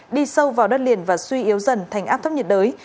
đi sâu vào đất liền và suy yếu dần thành áp thấp nhiệt đới